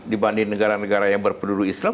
dibanding negara negara yang berpendudu islam